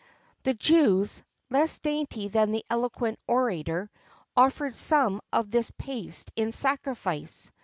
[XXIV 8] The Jews, less dainty than the eloquent orator, offered some of this paste in sacrifice.